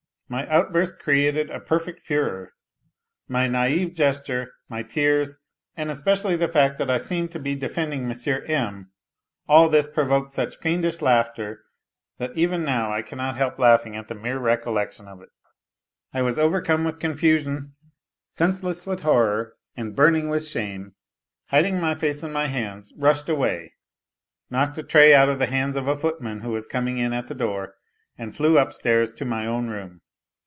My outburst created a perfect furore. My na'ive gesture, my tears, and especially the fact that I seemed to be defending I M. M., all this provoked such fiendish laughter, that even now I cannot help laughing at the mere recollection of it. I was overcome with confusion, senseless with horror and, burning with shame, hiding my face in my hands rushed away, knocked a tray out of the hands of a footman who was coming in at the door, and flew upstairs to my own room.